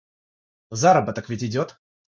Заработок ведь идет.